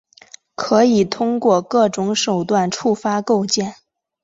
可以通过各种手段触发构建。